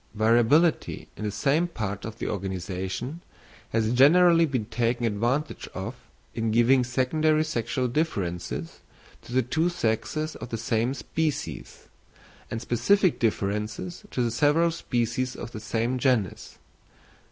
Variability in the same parts of the organisation has generally been taken advantage of in giving secondary sexual differences to the two sexes of the same species, and specific differences to the several species of the same genus.